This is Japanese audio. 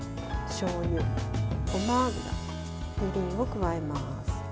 しょうゆ、ごま油みりんを加えます。